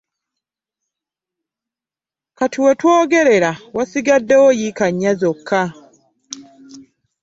Kati wetwogerera wasigaddewo yiika nnya zokka.